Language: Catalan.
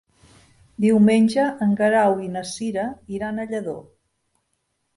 Diumenge en Guerau i na Cira iran a Lladó.